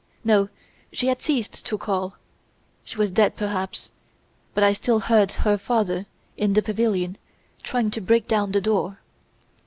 No! she had ceased to call. She was dead, perhaps. But I still heard her father, in the pavilion, trying to break down the door.